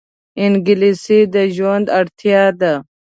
انګلیسي د ژوند اړتیا ده